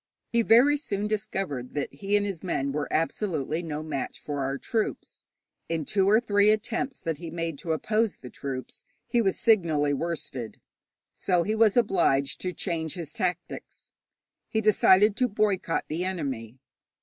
He very soon discovered that he and his men were absolutely no match for our troops. In two or three attempts that he made to oppose the troops he was signally worsted, so he was obliged to change his tactics. He decided to boycott the enemy.